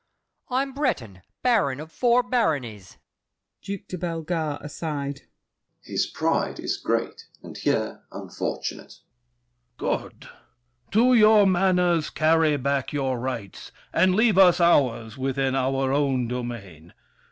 I'm Breton baron of four baronies. DUKE DE BELLEGARDE (aside). His pride is great, and here, unfortunate! THE KING. Good! To your manors carry back your rights, And leave us ours within our own domain.